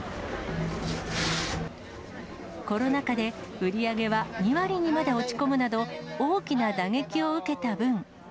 コロナ禍で売り上げは２割にまで落ち込むなど、大きな打撃を受けた分。